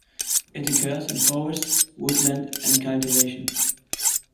It occurs in forest, woodland and cultivation.